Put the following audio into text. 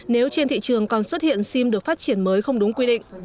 nếu trên thị trường còn xuất hiện sim được phát triển mới không đúng quy định